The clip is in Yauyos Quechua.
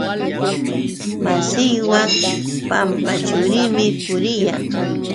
Masiiwan pampaćhuumi puriyaa.